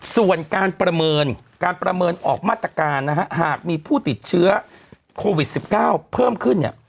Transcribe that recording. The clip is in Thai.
ส่วนการประเมินการประเมินออกมาตรการนะฮะหากมีผู้ติดเชื้อโควิด๑๙เพิ่มขึ้นเนี่ย